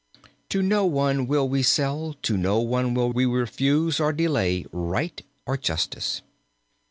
"To no one will we sell, to no one will we refuse or delay, right or justice.